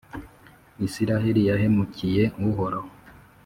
Israheli yahemukiye Uhoraho